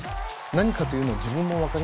何かというのは自分も分かりません。